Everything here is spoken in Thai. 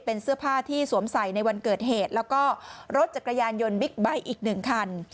เป็นเสื้อผ้าที่สวมใส่ในวันเกิดเหตุแล้วก็รถจักรยานยนต์บิ๊กไบท์อีกหนึ่งคัน